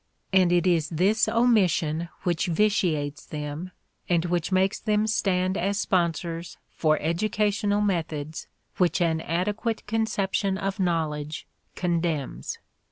And it is this omission which vitiates them and which makes them stand as sponsors for educational methods which an adequate conception of knowledge condemns.